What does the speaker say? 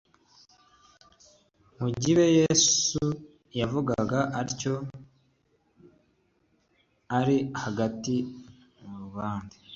Mu gibe Yesu yavugaga atyo ari hagati muri rubanda